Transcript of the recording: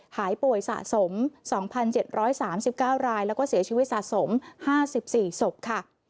หายป่วยสะสม๒๗๓๙รายแล้วก็เสียชีวิตสะสม๕๔ศพค่ะ